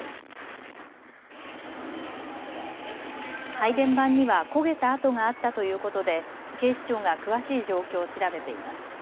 配電盤には焦げた跡があったということで警視庁が詳しい状況を調べています。